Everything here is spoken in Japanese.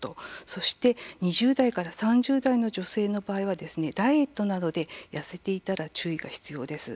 そして２０代から３０代の女性の場合はダイエットなどで痩せていたら注意が必要です。